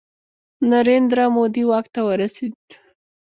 نریندرا مودي واک ته ورسید.